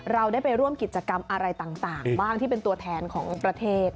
เราได้ไปร่วมกิจกรรมอะไรต่างบ้างที่เป็นตัวแทนของประเทศ